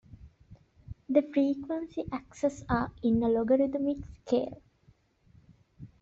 The frequency axes are in a logarithmic scale.